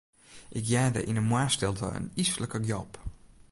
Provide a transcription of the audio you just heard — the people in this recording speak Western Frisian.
Ik hearde yn 'e moarnsstilte in yslike gjalp.